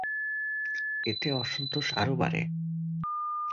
এতে অসন্তোষ আরো বাড়ে।